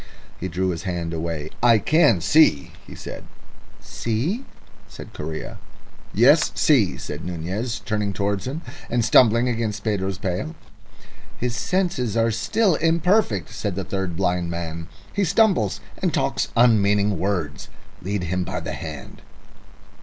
He drew his hand away. "I can see," he said. "See?" said Correa. "Yes, see," said Nunez, turning towards him, and stumbled against Pedro's pail. "His senses are still imperfect," said the third blind man. "He stumbles, and talks unmeaning words. Lead him by the hand."